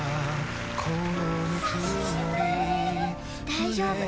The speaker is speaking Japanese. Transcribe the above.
大丈夫。